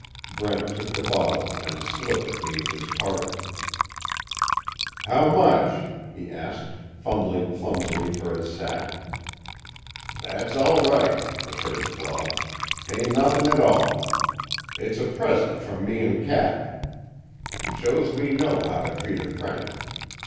Brent took the bottle and slipped it beneath his parka: "How much?" he asked, fumbling clumsily for his sack. "That's all right," assured Claw, "Tain't nothin' 't all. It's a present from me an' Cap. Shows we know how to treat a friend.